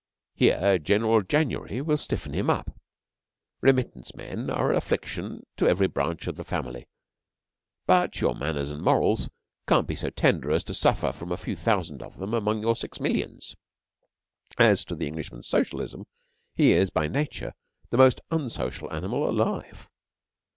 Here, General January will stiffen him up. Remittance men are an affliction to every branch of the Family, but your manners and morals can't be so tender as to suffer from a few thousand of them among your six millions. As to the Englishman's Socialism, he is, by nature, the most unsocial animal alive.